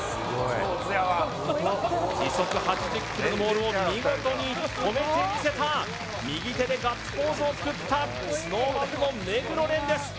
・上手やわ時速８０キロのボールを見事に止めてみせた右手でガッツポーズを作ったＳｎｏｗＭａｎの目黒蓮です